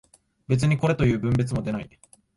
別にこれという分別も出ない